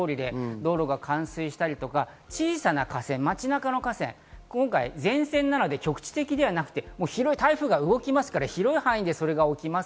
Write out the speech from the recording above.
道路が冠水したり、小さな河川、街中の河川、今回前線なので局地的ではなくて、台風が動くので、広い範囲でそれが起きます。